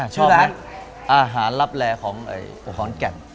ชอบมั้ยอาหารรับแลของของแก่น